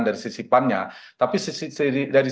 dari sisi pan nya tapi dari